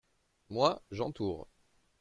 Moi, j’entoure.